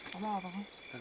có bò vào không